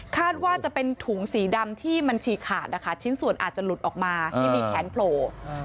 ว่าจะเป็นถุงสีดำที่มันฉีกขาดนะคะชิ้นส่วนอาจจะหลุดออกมาที่มีแขนโผล่